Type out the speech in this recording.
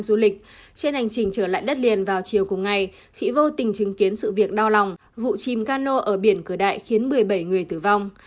trên hành trình trở lại đất liền vào chiều cùng ngày chị vô tình chứng kiến sự việc đau lòng vụ chìm cano ở biển cửa đại khiến một mươi bảy người tử vong